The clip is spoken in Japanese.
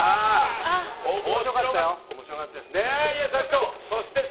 面白かったよ。